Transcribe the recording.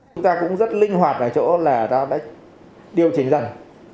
chúng ta cũng rất linh hoạt ở chỗ là ta đã điều chỉnh dần